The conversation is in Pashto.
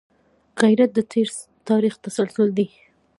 غیرت د تېر تاریخ تسلسل دی